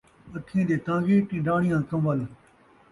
اکھیں دے تانگھی، ٹنڈاݨیاں کنول